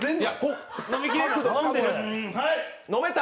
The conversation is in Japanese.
飲めた？